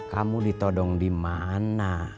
kamu ditodong dimana